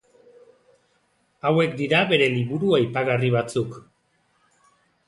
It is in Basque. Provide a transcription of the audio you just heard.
Hauek dira bere liburu aipagarri batzuk.